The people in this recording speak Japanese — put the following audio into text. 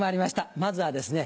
まずはですね